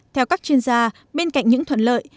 theo các chuyên gia bên cạnh những thuận lợi